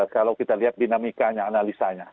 kalau kita lihat dinamikanya analisanya